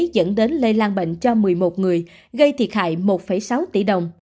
dẫn đến lây lan bệnh cho một mươi một người gây thiệt hại một sáu tỷ đồng